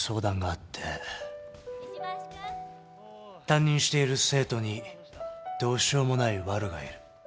担任している生徒にどうしようもないワルがいる。